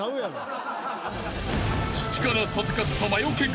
［父から授かった］